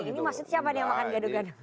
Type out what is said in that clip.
ini maksudnya siapa nih yang makan godo gado